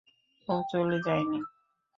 ও চলে যায়নি!